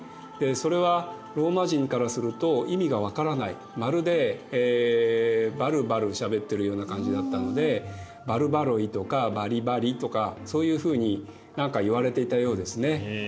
それはローマ人からすると意味がわからないまるでバルバルしゃべってるような感じだったのでバルバロイとかバリバリとかそういうふうに何かいわれていたようですね。